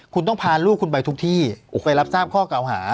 คุณต้องพาลูกคุณไปทุกที่ไปรับทราบข้อเก่าหา